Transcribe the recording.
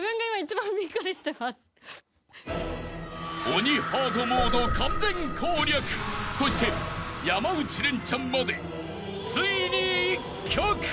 ［鬼ハードモード完全攻略そして山内レンチャンまでついに１曲］